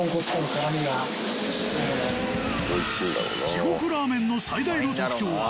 地獄ラーメンの最大の特徴は